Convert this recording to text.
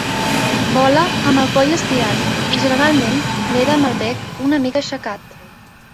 Vola amb el coll estirat i generalment neda amb el bec una mica aixecat.